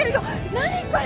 何これ！